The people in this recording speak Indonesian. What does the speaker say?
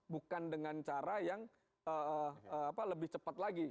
bukan dengan cara yang lebih cepat lagi